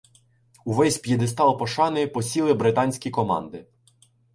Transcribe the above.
Увесь п'єдестал пошани посіли британські команди.